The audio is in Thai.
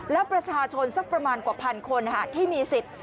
แล้วประชาชนสักประมาณกว่าพันคนที่มีสิทธิ์